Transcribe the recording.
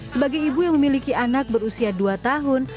sebagai ibu yang memiliki anak berusia dua tahun